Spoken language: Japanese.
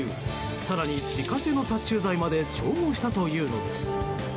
更に、自家製の殺虫剤まで調合したというのです。